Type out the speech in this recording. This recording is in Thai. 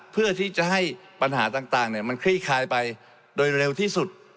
เพื่อที่จะให้ปัญหาต่างมันคลี่คลายไปโดยเร็วที่สุด